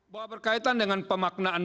bahwa berkaitan dengan pemaknaan